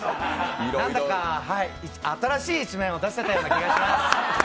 なんだか新しい一面を出せたような気がします。